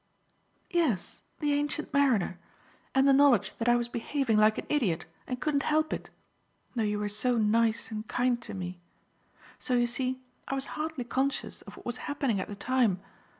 "Yes, the ancient mariner; and the knowledge that I was behaving like an idiot and couldn't help it though you were so nice and kind to me. So you see, I was hardly conscious of what was happening at the time.